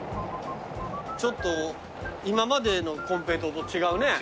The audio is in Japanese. ちょっと今までのコンペイトーと違うね。